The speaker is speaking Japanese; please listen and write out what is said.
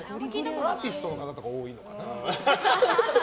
アーティストの方とか多いのかな。